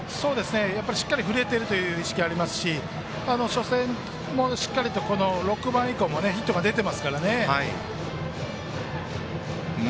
しっかり振れているという意識はあるし初戦もしっかりと６番以降もヒットが出ていますからね。